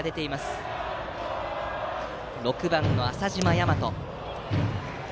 打席は６番の浅嶋大和。